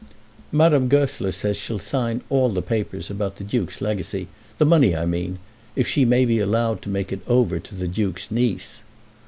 "Madame Goesler says that she'll sign all the papers about the Duke's legacy, the money, I mean, if she may be allowed to make it over to the Duke's niece."